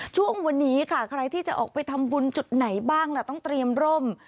ช่วงวันนี้ค่ะใครที่จะออกไปทำบุญจุดไหนบ้างล่ะต้องเตรียมร่ม